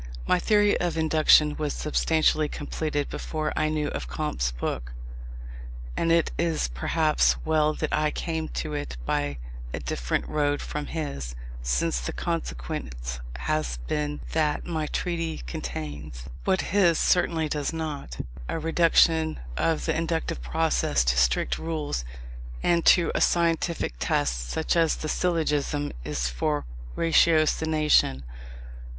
My theory of Induction was substantially completed before I knew of Comte's book; and it is perhaps well that I came to it by a different road from his, since the consequence has been that my treatise contains, what his certainly does not, a reduction of the inductive process to strict rules and to a scientific test, such as the syllogism is for ratiocination.